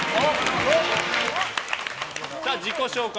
自己紹介